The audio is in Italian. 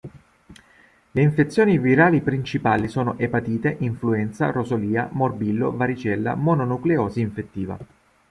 Le infezioni virali principali sono epatite, influenza, rosolia, morbillo, varicella, mononucleosi infettiva.